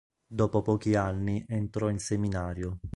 Dopo pochi anni entrò in seminario.